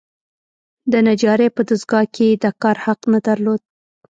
د نجارۍ په دستګاه کې یې د کار حق نه درلود.